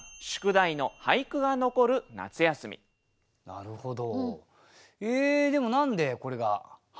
なるほど。